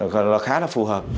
còn nó khá là phù hợp